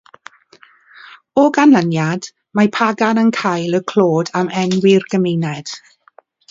O ganlyniad, mae Pagan yn cael y clod am enwi'r gymuned.